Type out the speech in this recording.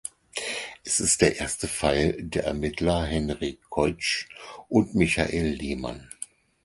Es ist der erste Fall der Ermittler Henry Koitzsch und Michael Lehmann.